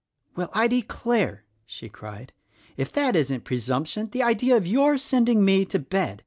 "Well I declare," she cried; "if that isn't presumption. The idea of your sending me to bed!